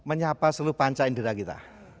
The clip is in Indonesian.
ini nyapa seluruh panca indera kita